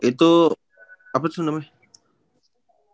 itu apa tuh namanya